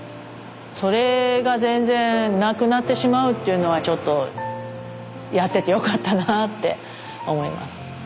それが全然なくなってしまうっていうのはちょっとやっててよかったなあって思います。